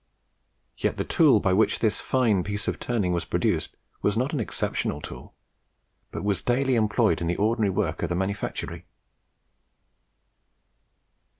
Yet the tool by which this fine piece of turning was produced was not an exceptional tool, but was daily employed in the ordinary work of the manufactory.